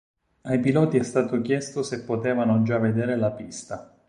Ai piloti è stato chiesto se potevano già vedere la pista.